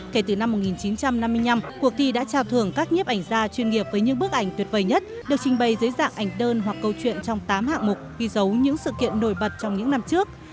kể từ năm một nghìn chín trăm năm mươi năm cuộc thi đã trao thưởng các nhiếp ảnh gia chuyên nghiệp với những bức ảnh tuyệt vời nhất được trình bày dưới dạng ảnh đơn hoặc câu chuyện trong tám hạng mục ghi dấu những sự kiện nổi bật trong những năm trước